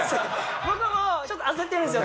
僕もちょっと焦ってるんですよ